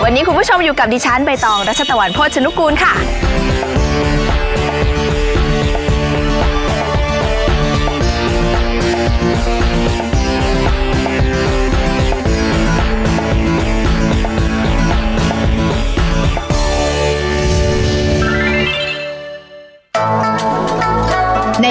วันนี้คุณผู้ชมอยู่กับดิฉันใบตองรัชตะวันโภชนุกูลค่ะ